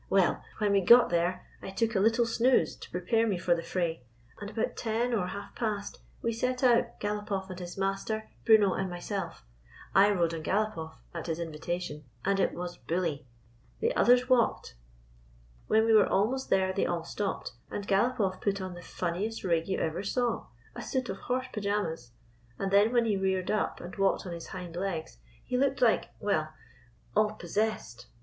Well, when we got there I took a little snooze to prepare me for the fray, and about ten or half past we set out — Galopoff and his master, Bruno and myself. I rode on Galopoff, at his invitation, and it Tvas bully. The others 218 THE BATTLE IN THE WOODS walked. When we were almost there, they all stopped, and Galopoff pat on the funniest rig you ever saw — a suit of horse pajamas — and then when he reared up and walked on his hind legs he looked like — well, all possessed.